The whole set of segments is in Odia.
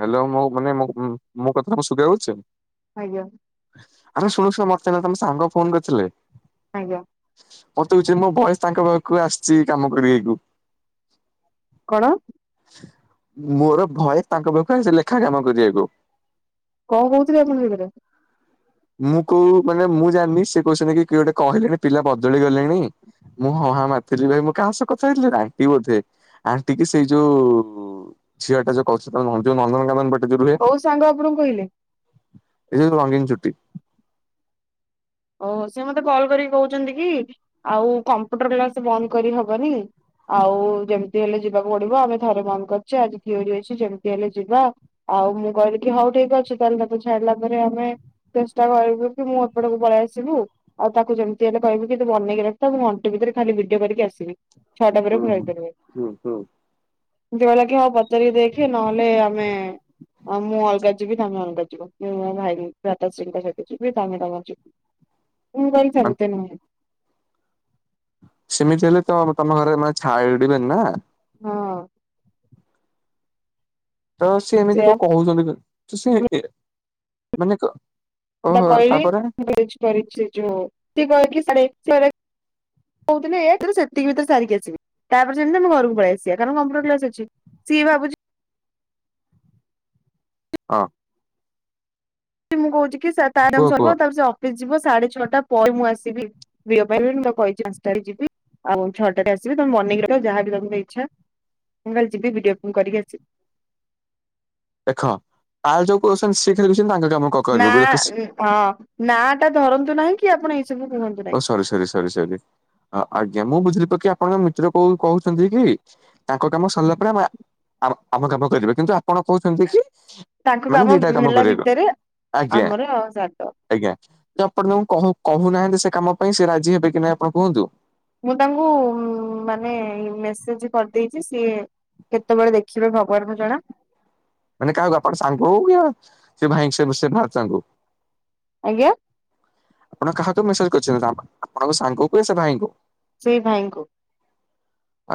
ହଲୋ ମୁଁ ମାନେ ମୋ କଥା ଶୁଭାଯାଉଛି? ଆଜ୍ଞା। ଆରେ ଶୁଣୁ ଶୁଣ ମତେ ଏଇନା ତମ ସାଙ୍ଗ ଫୋନ କରିଥିଲେ। ଆଜ୍ଞା। ମତେ କହୁଛି ମୋ ଭଏସ ତାଙ୍କ ପାଖକୁ ଆସିଛି କାମ କରିୟାକୁ। କଣ? ମୋର ଭଏସ ତାଙ୍କ ପାଖକୁ ଆସିଛି ଲେଖା କାମ କରିବାକୁ। କଣ କହୁଥିଲି ଆପଣଙ୍କ [unintelligible] ମୁଁ କୋଉ ମାନେ ମୁଁ ଜାଣିନି ସେ କହୁଛନ୍ତି କି କିଏ ଗୋଟେ କହିଲେଣି ପିଲା ବଦଳି ଗଲେଣି। ମୁଁ ହଁ ହାଁ ମାରଥିଲି ଭାଇ ମୁଁ କାହା ସହ କଥା ହେଇଥିଲି ଆଣ୍ଟି ବୋଧେ ଆଣ୍ଟି କି ସେଇ ଯୋଉ ଝିଅ ଟା ଯୋ କହୁଛ ନନ୍ଦନ କାନନ୍ଦନ କୋଉ ସାଙ୍ଗ ଆପଣଙ୍କୁ କହିଲେ? ଏଇ ଯୋଉ ରଙ୍ଗୀନ ଚୁଟି। ଓହୋ ସେ ମତେ କଲ୍ କରିକି କହୁଛନ୍ତି କି ଆଉ କମ୍ପୁଟର କ୍ଲାସ ବନ୍ଦ କରିହବନି। ଆଉ ଯେମିତି ହେଲେ ଯିବାକୁ ପଡିବ ଆମେ ଥରେ ବନ୍ଦ କରିଛେ ଆଜି ଥିଓରୀ ଅଛି ଯେମିତି ହେଲେ ଯିବା। ଆଉ ମୁଁ କହିଲି କି ହଉ ଠିକ ଅଛି ତାହେଲେ ତାକୁେ ଛାଡିଲା ପରେ ଆମେ ଚେଷ୍ଟା କରିବୁ କି ମୁଁ ଏପଟକୁ ପଳେଇିଆଶ ସିବୁ ଆଉ ତାକୁ ଯେମିତି ହେଲେ କହିବୁ କିୁ ତୁ ବନେଇକି ରକ୍ଷିତା ମୁଁ ଘଣ୍ଟେ ଭିତରେ ଖାଲି ଭିଡିଓ କରିକି ଆସିବି। ଛଅଟା ପରେ ହୁଁ ମୁଁ ହୁଁ [unintelligible] ହୁଁ ହୁଁ [unintelligible] କି ହଉ ପଚାରିକି ଦେଖି ନହେଲେ ଆମେ ହଁ ମୁଁ ଅଲଗା ଯିବି ତମେ ଅଲଗା ଯିବ ମୂଁ ମୋ ଭାଇ ଭାତାଶ୍ରୀଙ୍କ ସହିତ ଯିବି ତମେ ତମର ଯିବ। [unintelligible] ସେମିତି ହେଲେ ତ ତମ ଘରେ ମାନେ ଛାଡିବେନି ନା। ହଁ। ତ ସେ ଏମିତି ସେୟା କଣ କହୁଛନ୍ତି [unintelligible] ତା ତାପରେ କହିଲିଛି [inaudible] କରିଛି ଯୋ କହେ କି ସାେ [inaudible] କହୁଥିଲଥିଲେ ଏୁ ସେତିକି ଭିତରେ ସାରିକି ଆସିବ ତାପ ସେମିତି ଆମେ ଘରକୁ ପଳେଇ ଆସିବା କାରଣ କମ୍ପୁଟର କ୍ଲାସ ଅଛି। ସିଏ ଭାବୁଛି ହଁ। ମୁଁ କହୁଛି କି ତା କୁହ ସରିବ କୁହ ତାପରେ ଅଫିସ ଯିବ ସାଢେ ଛଅଟା ପରେ ମୁଁ ଆସିବି। ଭୟ ପାଇ ମୁଁ [inaudible] କହିି ଆଞ୍ଚଟାରେ ଯିବି ଆଉ ଛଅଟାରେ ଆସିବି ତମେ ମନକି ଯାହାବ ତମର ଇଚ୍ଛା ମୁଁ ଖାଲି [unintelligible] କରି ଆସି। ଦେଖ ଆଉ ଯୋଉ [unintelligible] ନା ହଁ ନା ଟା ଧରନ୍ତୁ ନାହିଁ କି ଆପଣ ଏଇ ସବୁ କୁହନ୍ତୁ। ଓ ନାହିଁ। ସରି ସରି ସରି ସରି ଆଜ୍ଞା ମୁଁ ବୁଝିଲି ପକେ ଆପଣଙ୍କ ମିତ୍ର କଉ କହୁଛନ୍ତି କି ତାଙ୍କ କାମ ସରିଲା ପରେ ଆମେ ଆମ କାମ କରିବେ କିନ୍ତୁ ଆପଣ କହୁଛନ୍ତି କି ତାଙ୍କ ମାନେ ଦିଟା କାମ ହେଲା କରିବାକୁ ଭିତରେ ଆଜ୍ଞା। ଆମର ସାରିଦବ। ଆଜ୍ଞା ତ ଆପଣ ତାଙ୍କୁ କହୁ କହୁନାହାନ୍ତି ସେ କାମ ପାଇଁ ସେ ରାଜି ହେବେ କି ନାହିଁ ଆପଣ କୁହନ୍ତୁ। ମୁଁ ତାଙ୍କୁ ମାନେ ମେସେଜ କରିଦେଇଛି ସିଏ କେତେବେଳେ ଦେଖିବେ ଭଗବାନଙ୍କୁୁ ଜଣା। ମାନେ କାହାକୁ ଆପଣ ସାଙ୍ଗ କୁ [unintelligible] ଆଜ୍ଞା। ଆପଣ କାହାକୁ ମେସେଜ୍ କରିଛନ୍ତି ଆପଣଙ୍କ ସାଙ୍ଗକୁ କି ସେ ଭାଇଙ୍କୁ? ସେଇ ଭାଇଙ୍କୁ।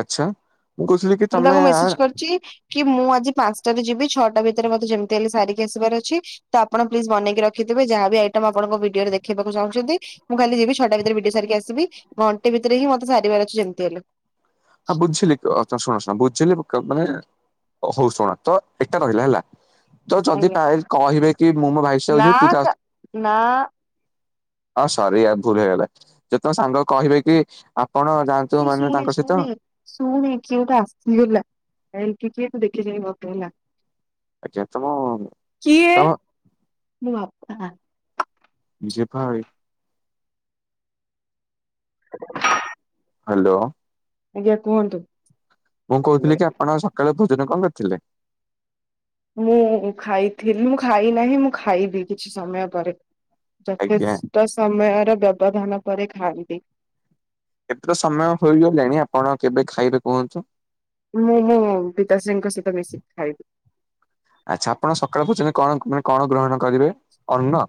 ଆଚ୍ଛା ମୁଁ ଘୁଷୁରି କି ମୁଁ ତାଙ୍କୁ ତମେ ମେସେଜ କରିଛି କି ମୁଁ ଆଜି ପାଞ୍ଚଟାରେ ଯିବି ଛଅଟା ଭିତରେ ମତେ ଯେମିତି ହେଲେ ସାରିକି ଆସିବାର ଅଛି। ତ ଆପଣ ପ୍ଲିଜ୍ ବନେଇକି ରଖିଥିବେ ଯାହା ବି ଆଇଟମ୍ ଆପଣଙ୍କ ଭିଡିଓରେ ଦେଖିବାକୁ ଚାହୁଁଛନ୍ତି। ମୁଁ ଖାଲି ଯିବି ଛଟା ଭିତରେ ବିଡି ସାରିକି ଆସିବି ଘଣ୍ଟେ ଭିତରେ ହିଁ ମତେ ସାରିବାର ଅଛି ଯେମିତି ହେଲେ। ହଁ ବୁଝିଲି ତ ଶୁଣ ଶୁଣ ବୁଝିଲି ମାନେ ଓ ହଉ ଶୁଣ ତ ଏଟା ରହିଲା ହେଲା। ତ ଯଦି ଆଜ୍ଞା ଭାଇ କହିବେ କି ମୁଁ ମୋ ଭାଇ ସହ ନା ଯିବି ତୁ ତା କା ନା ହଁ ସରିଆ ଭୁଲ ହେଇଗଲା ଯେ ତମ ସାଙ୍ଗ କହିବେ କି ଆପଣ ଯାଆନ୍ତୁ ମାନେ ତାଙ୍କ ସହିତ ଶୁମି କିିଏ ଗୋଟେ ଆସିଗଲା କିଏ ଦେଖି ଚାହିଁ ଗଫିବୁ ହେଲା। ଯେତକ ଦବ। ମୁଁ ବାଁ [unintelligible] ଯେ ଭାଇ ହଁ [unintelligible] ହ୍ୟାଲୋ। ଆଜ୍ଞା କୁହନ୍ତୁ? ମୁଁ କହୁଥିଲି କି ଆପଣ ସକାଳୁ ଭୋଜନ କଣ କରିଥିଲେ? ମୁଁ ଖାଇଥିଲି ମୁଁ ଖାଇ ନାହିଁ ମୁଁ ଖାଇବି କିଛି ସମୟ ପରେ। ଆଜ୍ଞା ଯଥେଷ୍ଟ ସମୟର ବ୍ୟବଧାନ ପରେ ଖାଇବି। ଏଥର ସମୟ କହିଲୁ ଜାଣି ଆପଣ କେବେ ଖାଇବେ କୁହନ୍ତୁ? ମୁଁ ମୁଁ ପିତାଶ୍ରୀଙ୍କ ସହିତ ମିଶିକି ଖାଇବି। ଆଚ୍ଛା ଆପଣ ସକାଳ ପର୍ଯ୍ୟନ୍ତ କଣ ମାନେ କଣ ଗ୍ରହଣ କରିବେ ଅନ୍ନ?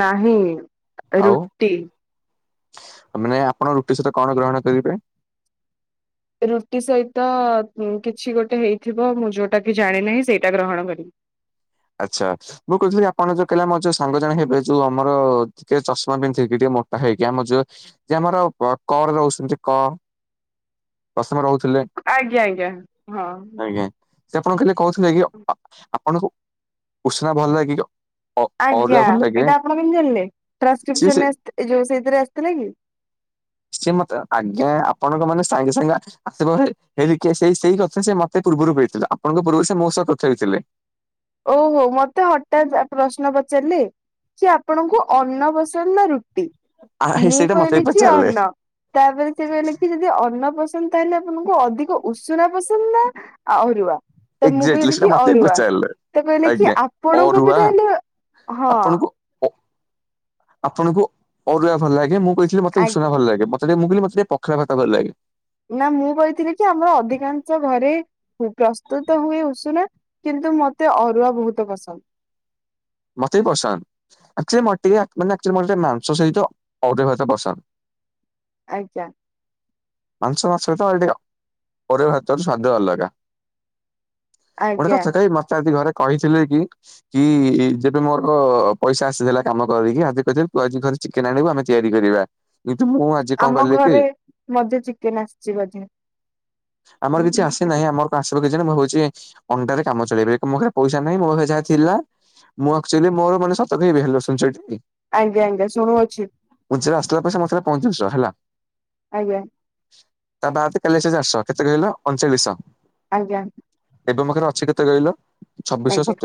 ନାହିଁ ଆଉ ରୁଟି। ମାନେ ଆପଣ ରୁଟି ସହିତ କଣ ଗ୍ରହଣ କରିବେ? ରୁଟି ସହିତ କିଛି ଗୋଟେ ହେଇଥିବ ମୁଁ ଯୋଉଟା କି ଜାଣି ନାହିଁ ସେଇଟା ଗ୍ରହଣ କରିବି। ଆଚ୍ଛା। ମୁଁ କହୁଥିଲି ଆପଣ ଯୋଉ କାଲି ଆମର ଯୋଉ ସାଙ୍ଗ ଜଣେ ହେବେ ଯୋଉ ଆମର ଟିକେ ଚଷମା ପିନ୍ଧିକିି ଟିକେ ମୋଟ ହେଇକି ଆମର ଯୁ ଯେ ଆମର କ ରହୁଛନ୍ତି କ ପ୍ରସମେ ରହୁଥିଲେ? ଆଜ୍ଞା ଆଜ୍ଞା ହଁ। ଆଜ୍ଞା। ସେ ଆପଣଙ୍କୁ କାଲି କହୁଥିଲେ ଆପଣଙ୍କୁ ଉଷ୍ନା ଭଲ ଲାଗିବ। ଆଜ୍ଞା ଏଇଟା ଆପଣ କିମିତି ଜାଣିଲେ ସିଏ ସେ ଟ୍ରାସ୍କ୍ରିସନ ରେ ଯୋଉ ସେଇଥିରେ ଆସିଥିଲେ କି? ସିଏ ମତେ ଆଜ୍ଞା ଆପଣଙ୍କ ମାନେ ସାଙ୍ଗେ ସାଙ୍ଗେ ଆସିବ ହେଇ ସେ ସେଇ କଥା ସେ ମତେ ପୂର୍ବରୁ କହିଥିଲା ଆପଣଙ୍କ ପୂର୍ବରୁ ସେ ମୋ ସହ କଥା ହେଇଥିଲେ। ଓହୋ ମତେ ହଠାତ୍ ପ୍ରଶ୍ନ ପଚାରିଲେ? କି ଆପଣଙ୍କୁ ଅନ୍ନ ପସନ୍ଦ ନା ରୁଟି ଆ ହେ ମୁଁ ସେଇଟା ମତେ କହିଲି ବି କି ପଚାରିଲେ ଅନ୍ନ। ତାପରେ ସେ କହିଲେ କି ଯଦି ଅନ୍ନ ପସନ୍ଦ ତାହେଲେ ଆପଣଙ୍କୁ ଅଧିକ ଉଷୁନା ପସନ୍ଦ ନା ଆ ଅରୁଆ ତ ମୁଁ ଏକ୍ଜାକ୍ଟଲି କହିଲି ସେଇଟା କି ମତେ ବି ଅରୁଆ। ପଚାରିଲେ ତ କହିଲେ କି ଆଜ୍ଞା। ଆପଣଙ୍କୁ ବି ଅରୁଆ ତାହଲେ ହଁ। ଆପଣଙ୍କୁ ଆପଣଙ୍କୁ ଅରୁଆ ଭଲ ଲାଗେ ମୁଁ କହିଥିଲି ମତେ ଉଷୁନା ଆଜ୍ଞା ଭଲ ଲାଗେ। [unintelligible] ମୁଁ କହିଲି ମୋତେ ଟିକେ ପଖାଳ ଭାତ ଭଲ ଲାଗେ। ନା ମୁଁ କହିଥିଲି କି ଆମର ଅଧିକାଂଶ ଘରେ ପ୍ରସ୍ତୁତ ହୁଏ ଉଷୁନା। କିନ୍ତୁ ମତେ ଅରୁଆ ବହୁତ ପସନ୍ଦ। ମତେ ବି ପସନ୍ଦ ଅଚୁଆଲି ମୋତେ ଟିକେ ମାନେ ଅଚୂଆଲି ମାଂସ ସହିତ ଅରୁଆ ଭାତ ପସନ୍ଦ। ଆଜ୍ଞା। ମାଂସ ମାସ ସହିତ ଏଡିଅ, ପରିବା ଭାତରୁ ସ୍ଵାଦ ଅଲଗା। ଗୋଟେ ଆଜ୍ଞା କଥା କହିବି, ମତେ ଆଜି ଘରେ କହିଥିଲେ କି? କି ଯେବେ ମୋର ପଇସା ଆସିଥିଲା କାମ କରିକି ଆଦି ପାଦି ପ୍ରୟୋଜ କରିଚି। ଚିକେନ୍ ଆଣିବୁ ଆମେ ତିଆରି କରିବା, କିନ୍ତୁ ମୁଁ ଆଜ୍ ଆମ ଘରେ ମଧେ ଚିକେନ୍ ଆସିଚି ବୋଧେ। ଆମର କିଛି ଆସି ନାଇଁ, ଆମ ଘରକୁ ଆସିବ କିଏ ଜଣେ, ମୁଁ ବଇଚି। ଅଣ୍ଡାରେ କାମ ଚଳେଇବେ ଏକ୍ ମୋ ପାଖରେ ପଇସା ନାଇଁ, ମୋ ପାଖରେ ଯାହା ଥିଲା। ମୁଁ ଆକ୍ଚୁଆଲି ମୋର ମାନେ ଶତ କଇବି, [inaudible] ଆଜ୍ଞା ଆଜ୍ଞା, ଶୁଣୁ ଅଛି। ପୁନ୍ଚରୁି ଆସିଲା ପରେ, ମୋ ପାଖେଥିଲା ପଂଇଚାଳିଶି ଟଙ୍କା, ହେଲା। ଆଜ୍ଞା। ତା ବାଆତ୍ କାଲି ହେଇଥିଲା ଚାରିଶହ, କେତେ କହିଲ? ଅଣଚାଳିଶିଶହ। ଆଜ୍ଞା। ଏବେ ମୋ ପାଖରେ ଅଛି କେତେ କଇଲ? ଅଜ୍ଞା,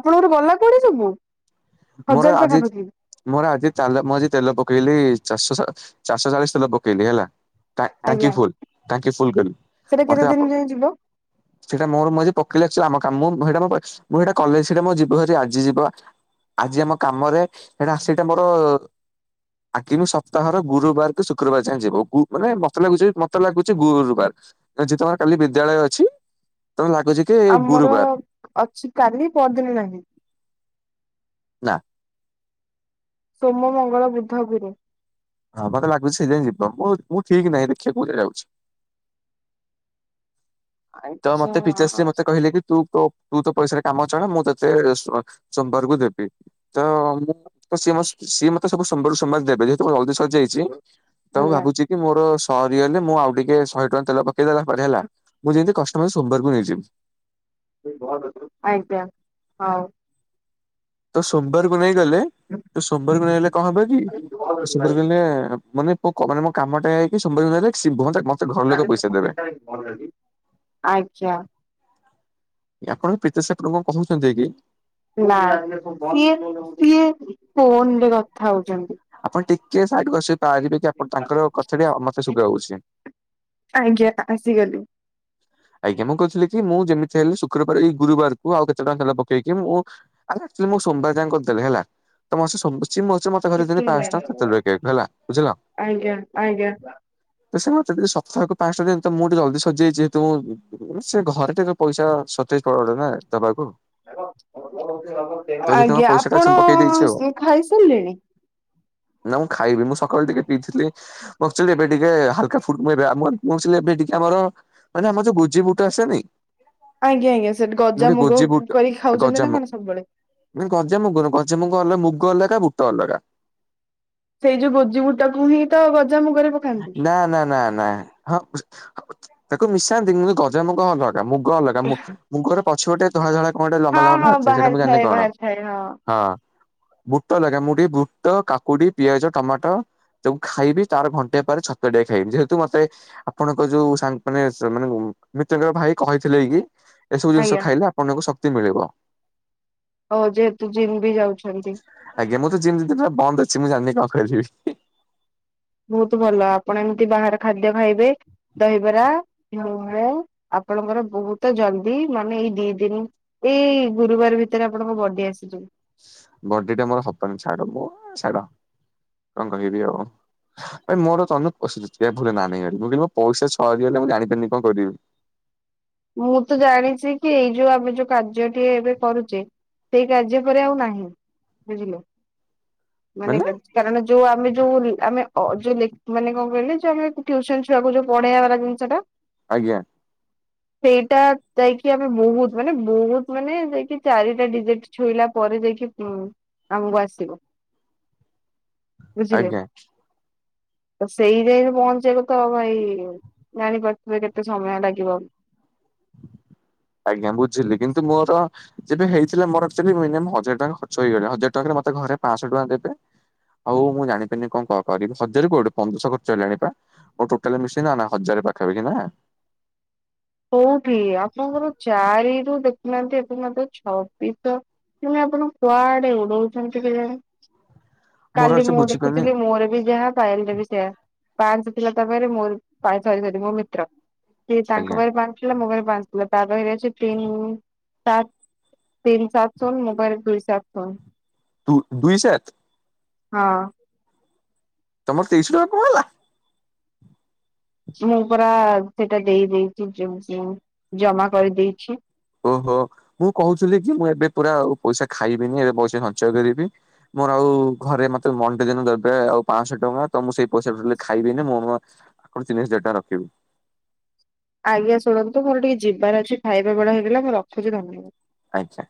ଆପଣଙ୍କର ଗଲା କୁଆଡେ ସବୁ? ମୋର ହଜାର ଆଜିତ୍ ପାଖାପାଖି ମୋର ଆଜି ଚାଲେ, ମୁଁ ଆଜି ତେଲ ପକେଇଲି ଚାରିଶ୍ ଚାରିଶହ ଚାଳିିଶ୍ ତେଲ ପକେଇଲି ହେଲା। ଟା ଟାଙ୍କି ଆଜ୍ଞା ଫୁଲ୍, ଟାଙ୍କି ଫୁଲ୍ କରିଲି, ସେଟା କେତେ ମତେ ଦିନ ବାପା ଯାଏ ଯିବ? ସେଇଟା ମୋର ମୁଁ ଯେ ପକେଇଲି ଅଚି ଆମ କାମ, ମୁଁ ସେଇଟା ମୁଁ ସେଇଟା କଲେ ସେଇଟା ମୁଁ ଯିବ ଯଦି ଆଜି ଯିବ। ଆଜି ଆମ କାମରେ ଏଟା ସେଇଟା ମୋର ଆଜି ମୁଁ ସପ୍ତାହର ଗୁରୁବାର କି ଶୁକ୍ରବାର ଯାଏ ଯିବ, ମାନେ ମତେ ଲାଗୁଚି, ମତେ ଲାଗୁଚି ଗୁରୁବାର୍। ଯେତେବେଳେ କାଲି ବିଦ୍ୟାଳୟ ଅଛି, ତ ଭାଗୁଚି। ଆମର ଅଛି କାଲି, ପଅରଦିନ ନାହିଁ। ନା। ସୋମ, ମଙ୍ଗଳ, ବୁଧ, ଗୁରୁ। ହଁ ମତେ ଲାଗୁଛି ସେଇ ଯାଏ ଯିବ, ମୁଁ ମୁଁ ଠିକ୍ ନାଇଁ, ଦେଖିଆ କୋଉଥିରେ ଯାଉଛି। ତ ଆଚ୍ଛା ମତେ ପିତାଶ୍ରୀ ମତେ କହିଲେ କି, ତୁ ତୋ ତୁ ତୋ ପଇସାରେ କାମ ଚଳା, ମୁଁ ତତେ ରସୁଆ ସୋମବାରକୁ ଦେବି। ତ ମୁଁକ୍ ସିଏ ସିଏ ମତେ ସବୁ ସୋମବାର ରୁ ସୋମବାର ଦେବେ, ଯେହେତୁ ମୋର ଜଲ୍ଦି ସରି ଯାଇ ଚି, ମୁଁ ଆଜ୍ଞା ଭାବୁଚି କି ମୋର ସରିଗଲେ, ମୁଁ ଆଉ ଟିକେ ଶହେ ଟଙ୍କା ତେଲ ପକ୍ ପକେଇ ଦେଲା ପରେ ହେଲା, ମୁଁ ଯେମିତି କଷ୍ଟମଷ୍ଟେ ସୋମବାର କୁ ନେଇଯିବି। ବହତ୍ ରାତିରେ ଆଜ୍ଞ, ହଉ। ତ ସୋମବାରକୁ ନେଇ ଗଲେ, ସୋମବାରକୁ ନେଇଗଲେ କଣ ହବ କି, ସୋମବାରକୁ ହେଲେ ମାନେ ମୋ କୋ କାମ ଟା ହେଇକି, ସୋମବାର କୁ ରହିଲେ [unintelligible] ଆଜ୍ଞା। ଆପଣଙ୍କୁ ପିତାଶ୍ର କଣ କହୁଚନ୍ତି କି? ନା, ସିଏ ସିଏ ଫୋନ୍ ରେ କଥା ହଉଚନ୍ତି। ଆପଣ ଟିକେ ସାଇଡିକୁ ଆସିବେ, ତା ଧିରେକି ଆପଣ ତାଙ୍କର କଥା ଟି ମତେ ଶୁଭା ଯାଉଚି। ଆଜ୍ଞା, ଆସିଗଲି। ଆଜ୍ଞା, ମୁଁ କହୁଥିଲି କି ମୁଁ ଯେମିତି ହେଲେ ଶୁକ୍ରବାର୍, ଏଇ ଗୁରୁବାର କୁ ଆଉ କେତେ ଟଙ୍କା ତେଲ ପକେଇକି ମୁଁ ଆଚୁଆଲି ମୁଁ ସୋମବାର ଯାଏ କରିଦେବି ହେଲା, ତ ମୁଁ ସେ ମୋ ମତେ ଘରେ କେତେ [inaudible] ପାଂଶହ ହେଲାଣି ଟଙ୍କା ଖର୍ଚ୍ଚ କରିକି ଆଇଚୁ, ହେଲା ବୁଝିଲ। ଆଜ୍ଞା ଆଜ୍ଞା। [unintelligible] ତ ସେ ମତେ ଡେଲି ସ୍ତାହକୁ ପାଂଶହ ଟଙ୍କା ଦିଅନ୍ତି, ତ ମୋର ଏଥର ଜଲ୍ଦି ସଜିଯାଇଚି। [unintelligible] ତୁ, ସେ ଘରେ ଟିକେ ପଇସା ସଟେଜ୍ ପଡେ ନା, ଦବାକୁ। ତ ସେଥିପାଇଁ ମୋ ଆଜ୍ଞା ପଇସାଟା ଅଛି ଆପଣ ମୁଁ ପକେଇ ଦେଇଛି ଆଉ ଖାଇସାରିଲେଣି। ନା ମୁଁ ଖାଇବି ମୁଁ ସକାଳୁ ଟିକେ ପିଇଥିଲି। ମୁଥିଲି ଏବେ ଟିକେ ହାଲକା ଫୁଟ କବେ ଆମର କୁିଲି ଏବେ ଟିକେ ଆମର। ମାନେ ଆମରୋଉ ଗୋଜିିବୁଟ ଆସେନେଇ। ଆଜ୍ଞା ଆଜ୍ଞା ସେଠି ଗଜାାମୁଗ କରିକି ଖାଉଛନ୍ତି ନା କଣ ସବୁବେଳେ? ଏଇ ଗଜାମଗୁ ଗଜାମୁଗ ଅଲଗା ମୁଗ ଅଲଗା ବୁଟ ଅଲଗା। ସେଇ ଯୋଉ ଗୋଜିିବୁଟାକୁ ହିଁ ତ ଗଜାମୁଗ ରେ ଘ ନା ନା ନା ନା ହଁ ତାକୁ ମିଶାନ୍ତି ମୁଁ ଗଜାମୁଗ ଅଲ ମୁଗ ଅଲଗା ମୁ ମୁଖର ପଛ ଗୋଟେ ଧଳା ଧଳା କଣ ଗଟେ ଲମ୍ବା ହଁ ଲମ୍ବା ହଁ ବାାରୁଛି ସେଇଟା ବାହାରି ମୁଁ ଥାଏ ଜାଣିନି କଣ ବାହାରି ଥାଏ ହଁ। ହଁ। ବୁଟ ଲଗେ ମୁଁ ଟିକେ ବୁଟ କାକୁଡି ପିଆଜ ଟମାଟୋ ତାକୁଖାଇବି ତାର ଘ। ଣ୍ଟାଏ ପରେ ଛତୁଆ ଟିକେ ଖାଇବି ଯେହେତୁ ମତେ ଆପଣଙ୍କ ଯୋଉ ସାଙ୍ଗ ମାନେ ମାନେ ମିତ୍ରଙ୍କର ଭାଇ କହିଥିଲେ କି ଏସବୁ ଜିନିଷ ଆଜ୍ଞା ଖାଇଲେ ଆପଣଙ୍କୁ ଶକ୍ତି ମିଳିବ। ହଉ ଯେହେତୁ ଜିମ୍ ବି ଯାଉଛନ୍ତି। ଆଜ୍ଞାଁ ମୁ ତ ଯେିତି ପୁରା ବନ୍ଦ ଅଛି ମୁଁ ଜାିନି କଣ କହିବି। ବହୁତ ଭଲ ଆପଣ ଏମିତି ବାହାରେ ଖାଦ୍ୟ ଖାଇବେ ଦହିବରା ଘିଉ ଭଳ ଆପଣଙ୍କର ବହୁତ ଜଲଦି ମାନେ ଏଇ ଦି ଦିନ। ଏଇ ଗୁରୁବାର ଭିତରେ ଆପଣଙ୍କ ବଡି ଆସିଲୁ। ବଡି ଟା ମୋର ହବନି ଛାଡ ମୁଁ ଛାଡ କଣ କହିବି ଆଉ। ଭାଇ ମୋର ତନେ ପ ଭଲ ନାହିଁ ମୁଁ କିି ପଇସା ଛଅ ଦିଗଲେ ମୁଁ ଜାଣିପାରିନି କଣ କରିଦିବି। ମୁଁ ତ ଜାଣିଛି କି ଏଇ ଯୋଉ ଆମେ ଯୋଉ କାର୍ଯ୍ୟଟିଏ ଏବେ କରୁଛେ ସେଇ କାର୍ଯ୍ୟ ପରେ ଆଉ ନାହିଁ ବୁଝିଲ ମାନେ- କାରଣ ଯୋଉ ଆମେ ଯୋଉ ଆମେ ଯୋଉ ମାନେ କଣ କହିଲେ ଯୋଉ ଆମୁସନ ଛୁଆ କକୁ ଯୋଉ ପଢେଇବାାର ଜିନିଷ ଟା। ଆଜ୍ଞା। ସେଇଟା ଯାଇକି ଆମେ ବହୁତ ମାନେ ବହୁତ ମାନେ ଯାଇକି ଚାରିଟା ଡିଜିେଟ ଛୁଇଲା ପରେ ଯାଇକି ହୁଁ ଆମ୍ବ ଆସିବ ବୁଝିଲେ। ଆଜ୍ଞା ତ ସେଇ ଯାଇ ପହଞ୍ଚେଇକୁ ତ ଭାଇ ଜାଣିପାରୁଥିବେ କେତେ ସମୟ ଲାଗିବ। ଆଜ୍ଞା ବୁଝିଲି କିନ୍ତୁ ମୋର ଯେବେ ହେଇଥିଲା ମୋରଚ ମିନି ହଜାର ଟଙ୍କା ଖର୍ଚ୍ଚଇଗଲେ ହଜାର ଟଙ୍କାରେ ମତେ ଘରେ ପାଞ୍ଚଶହ ଟଙ୍କା ଦେବେ ହଉ ମୁଁ ଜାଣିପାରିନି କଣ କଣ କରିବି ହଜାର କୋଉଠୁ ପନ୍ଦରଶହ ଖର୍ଚ୍ଚ ହେଲେ ଜଣିିବା। ମୁଁ ଟୋଟାଲି ମିଶି ନା ନା ହଜାର ପାଖାପାଖି ନା। କୋଉଠି ଆପଣଙ୍କର ଚାରି ରୁ ଦେଖୁନାହାନ୍ତି ଏବେ ମ ଛବିଶ। ତୁ ଆପଣ କୁଆଡେ ଉଡଉଛନ୍ତି କେ ଜାଣ। ମୋର କାଲି ଆକ୍ଚୁଆଲି ମୁଁ ବୁଝିପାରୁନି ଦେଖୁଥିଲି ମୋର ବି ଯାହା ପାାଇଲରେ ବି ପାଞ୍ଚ ଥିଲା ତାପରେ ମୋରରିରି ମୋ ମିତ୍ର ସେ ତାଙ୍କ ଆଜ୍ଞା ବାଞ୍ଚଥିଲା ମୁଁ ଘରେ ବାନ୍ଞ୍ଚିଲଥିଲା ତାପହରେ ଅଛି ତିନ ତିନ ସାତ ସନ ମୋବାଇଲ ଦୁଇ ସାତ ସନ ଦୁଇଶତ। ହଁ। ତମର ତେଇଶ ଟା କଣ ହେଲା। ମୁଁ ପା ସେଇଟା ଦେଇ ଦେଇେଇଛି ଜମା କରିଦେଇଛି। ଓହୋ ମୁଁ କହୁଥିଲି କି ମୁଁ ଏବେ ପୁରା ପଇସା ଖାଇବିନି ଏବେ ପଇସା ସଞ୍ଚୟ କରିବି ମୋର ଆଉ ଘରେ ମତେ ମଣ୍ଡେ ଦିନ ଦରବେ ଆଉ ପାଞ୍ଚଶହ ଟଙ୍କା ତ ମୁଁ ସେଇ ପଇସା ଖାଇବିନି ମୁଁ ଗଣ ସେନିେଟା ରଖିବି ଆଜ୍ଞା ଶୁଣନ୍ତୁ ମୋର ଟିକେ ଯିବାର ଅଛି ଖାଇବା ବେଳ ହେଇଗଲା। ମୁଁ ରଖୁଚି ଧନ୍ୟବା ଆଚ୍ଛା।